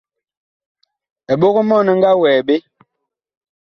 Eɓog-mɔɔn ɛ nga wɛɛ ɓe.